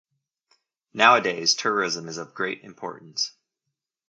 Nowadays tourism is of great importance.